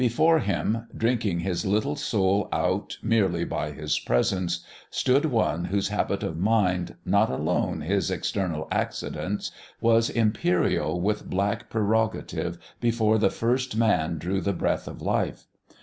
Before him, drinking his little soul out merely by his Presence, stood one whose habit of mind, not alone his external accidents, was imperial with black prerogative before the first man drew the breath of life.